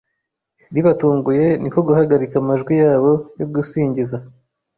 ribatunguye niko guhagarika amajwi yabo yo gusingiza.